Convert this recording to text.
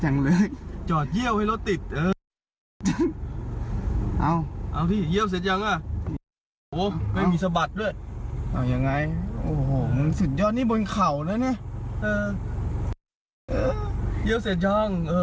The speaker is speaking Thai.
เงี้ยวเสร็จย่างเราก่อนเงี้ยวเสร็จย่าง